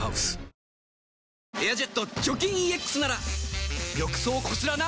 「エアジェット除菌ＥＸ」なら浴槽こすらな。